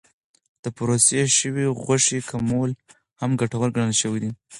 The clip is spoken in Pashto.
د پروسس شوې غوښې کمول هم ګټور ګڼل شوی دی.